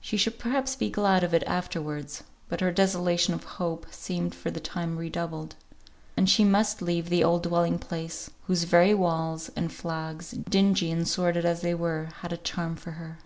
She should perhaps be glad of it afterwards; but her desolation of hope seemed for the time redoubled. And she must leave the old dwelling place, whose very walls, and flags, dingy and sordid as they were, had a charm for her.